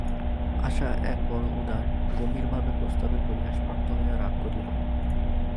আশা একবড়ো উদার গম্ভীর প্রস্তাবে পরিহাস প্রাপ্ত হইয়া রাগ করিল।